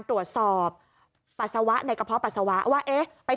ตรวจสอบปัสสาวะในกระเพาะปัสสาวะว่าเอ๊ะไป